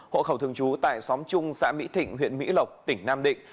hộ khẩu thường trú tại xóm trung xã mỹ thịnh huyện mỹ lộc tỉnh nam định